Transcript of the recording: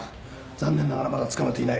残念ながらまだつかめていない。